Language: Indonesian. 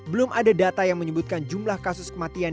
belum ada data yang menyebutkan jumlah kasus kematian